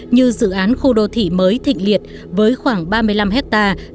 như dự án khu đô thị mới thịnh liệt với khoảng ba mươi năm hectare